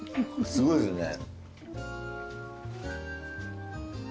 すごいですね。